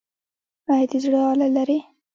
ایا د زړه آله لرئ؟